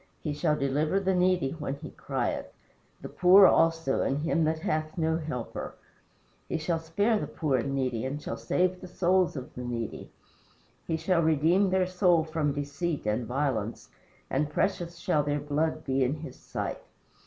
He shall deliver the needy when he crieth; The poor also, and him that hath no helper. He shall spare the poor and needy, and shall save the souls of the needy. He shall redeem their soul from deceit and violence, And precious shall their blood be in his sight.